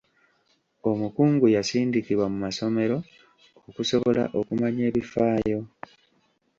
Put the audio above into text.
Omukungu yasindikibwa mu masomero okusobola okumanya ebifaayo.